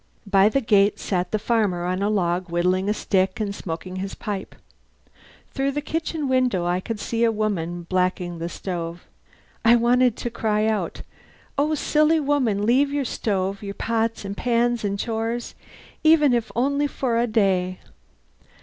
By the gate sat the farmer on a log, whittling a stick and smoking his pipe. Through the kitchen window I could see a woman blacking the stove. I wanted to cry out: "Oh, silly woman! Leave your stove, your pots and pans and chores, even if only for one day!